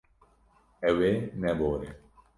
Ew ê nebore.